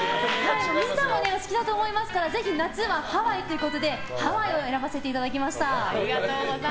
みんなもお好きだと思いますからぜひ夏はハワイということでハワイを選ばせていただきました。